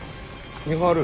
見張る？